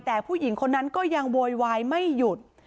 แต่ผู้หญิงคนนั้นก็ยังโวยวายไม่หยุด